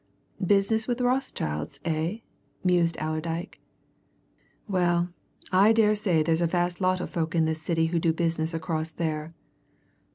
"Business with Rothschild's, eh?" mused Allerdyke. "Well, I daresay there's a vast lot of folk in this city who do business across there.